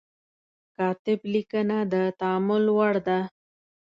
کاتب لیکنه د تأمل وړ ده.